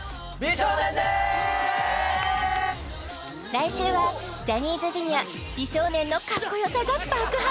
来週はジャニーズＪｒ．美少年のかっこよさが爆発